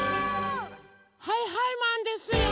はいはいマンですよ！